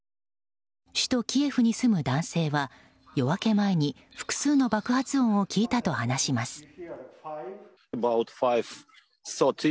首都キエフに住む男性は夜明け前に複数の爆発を聞いたと話します。